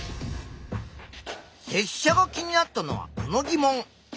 せっしゃが気になったのはこの疑問。